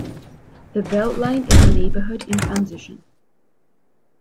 The Beltline is a neighbourhood in transition.